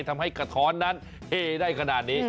ทำให้กระท้อนนั้นเฮได้ขนาดนี้